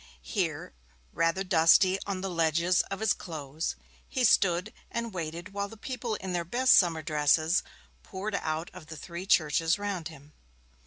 Here, rather dusty on the ledges of his clothes, he stood and waited while the people in their best summer dresses poured out of the three churches round him.